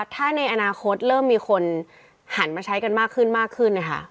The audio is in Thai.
ถ้าในอนาคตเริ่มมีคนหันมาใช้กันมากขึ้นค่ะ